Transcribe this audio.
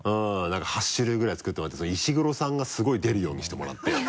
なんか８種類ぐらい作ってもらって石黒さんがすごい出るようにしてもらって。